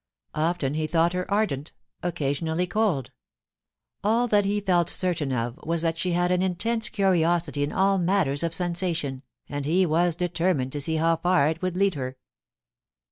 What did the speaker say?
Often he thought her ardent — occasionally cold. All that he felt certain of was that she had an intense curiosity in all matters of sensation, and he was determined to see how far it would lead her.